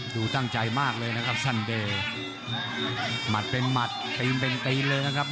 ดูตั้งใจมากเลยนะครับสั้นเดย์หมัดเป็นหมัดตีนเป็นตีนเลยนะครับ